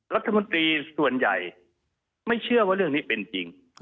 รัฐมนตรีส่วนใหญ่ไม่เชื่อว่าเรื่องนี้เป็นจริง